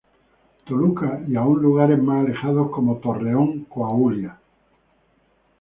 Toluca y aún lugares más alejados como Torreón Coahuila.